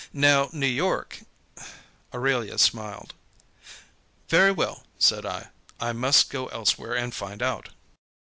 Now, New York " Aurelia smiled. "Very well," said I, "I must go elsewhere and find out."